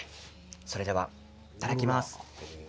では、いただきます。